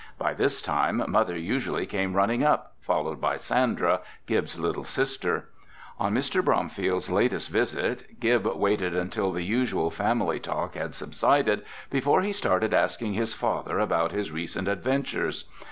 By this time, Mother usually came running up, followed by Sandra, Gib's little sister. On Mr. Bromfield's latest visit, Gib waited until the usual family talk had subsided before he started asking his father about his recent adventures.